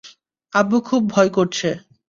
আব্বু, খুব ভয় করছে!